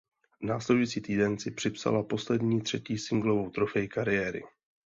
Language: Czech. Následující týden si připsala poslední třetí singlovou trofej kariéry.